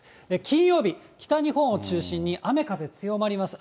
金曜日、北日本を中心に雨、風、強まります。